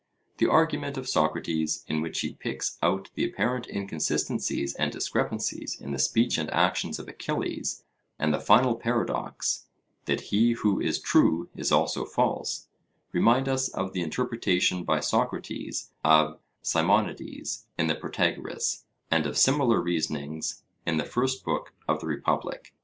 The argument of Socrates, in which he picks out the apparent inconsistencies and discrepancies in the speech and actions of Achilles, and the final paradox, 'that he who is true is also false,' remind us of the interpretation by Socrates of Simonides in the Protagoras, and of similar reasonings in the first book of the Republic.